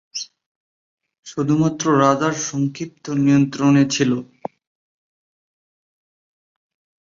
শুধুমাত্র রাজার সংক্ষিপ্ত নিয়ন্ত্রণে ছিল।